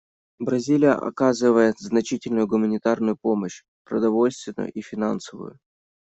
Бразилия оказывает значительную гуманитарную помощь — продовольственную и финансовую.